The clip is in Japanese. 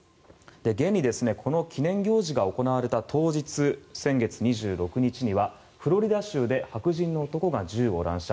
現に、記念行事が行われた当日先月２６日にはフロリダ州で白人の男が銃を乱射。